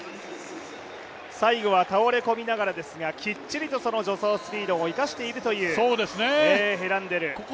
最後は倒れ込みながらですがしっかりとその助走スピードを生かしているというヘランデル。